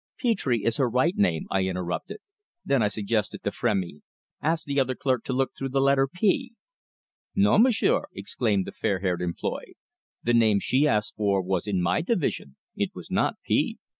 "Petre is her right name," I interrupted. Then I suggested to Frémy: "Ask the other clerk to look through the letter 'P.'" "Non, m'sieur!" exclaimed the fair haired employée. "The name she asked for was in my division. It was not P."